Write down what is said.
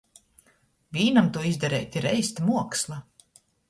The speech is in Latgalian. Vīnam tū izdareit ir eista muoksla!